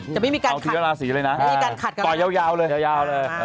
จะไม่มีการขัดกันนะต่อยยาวเลยโอเคเอาทีละลาศรีเลยนะ